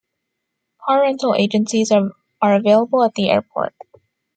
Car rental agencies are available at the airport.